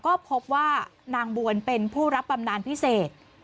ก็พบว่านางบวนเป็นผู้รับบำนานพิเศษ